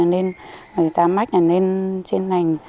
nên người ta mắc là nên trên nành